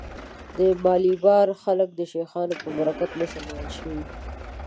د مالیبار خلک د شیخانو په برکت مسلمان شوي.